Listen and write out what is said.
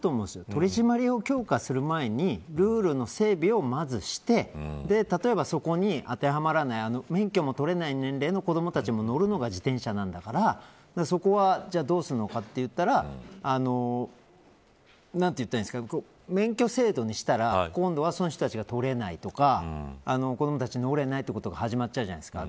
取り締まりを強化する前にルールの整備を、まずして例えば、そこに当てはまらない免許も取れない年齢の子どもたちも乗るのが自転車なんだからそこは、じゃあどうするのかといったら免許制度にしたら今度はその人たちが取れないとか子どもたちが乗れないということが始まっちゃうじゃないですか。